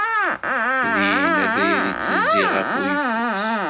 Din, abrid yettezzi ɣef uyeffus.